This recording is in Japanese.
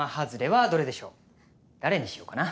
誰にしようかな？